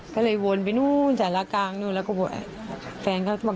ก็เลยวนไปนู่นจากระกางนู่นแล้วก็บอกแฟนเขา